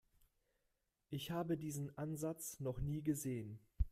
Ich habe diesen Ansatz noch nie gesehen.